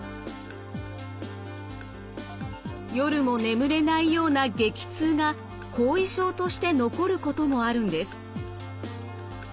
夜も眠れないような激痛が後遺症として残ることもあるんです。